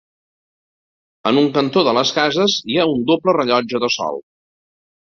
En un cantó de les cases hi ha un doble rellotge de sol.